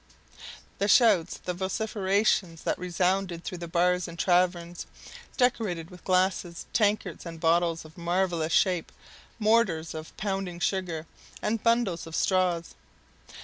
The shouts, the vociferations that resounded through the bars and taverns decorated with glasses, tankards, and bottles of marvelous shape, mortars for pounding sugar, and bundles of straws!